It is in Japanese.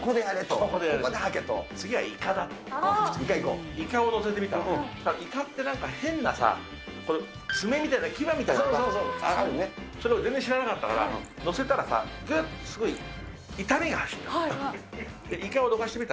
そしたら、イカってなんか変な爪みたいな牙みたいな、それを全然知らなかったから、載せたらさ、ぐっとすごい痛みが走った。